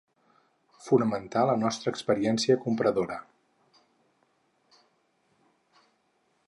Fonamentar la nostra experiència compradora.